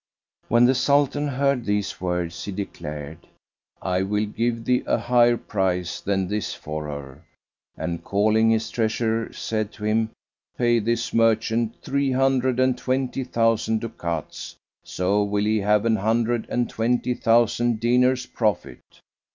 When the Sultan heard these words, he declared, "I will give thee a higher price than this for her;" and, calling his treasurer, said to him, "Pay this merchant three hundred and twenty thousand ducats; so will he have an hundred and twenty thousand dinars profit."